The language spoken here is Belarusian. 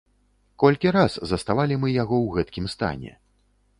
Колькі раз заставалі мы яго ў гэткім стане.